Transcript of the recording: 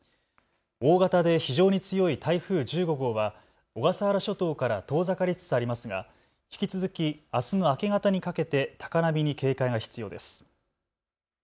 大型で非常に強い台風１５号は小笠原諸島から遠ざかりつつありますが引き続きあすの明け方にかけて高波に警戒が必要です。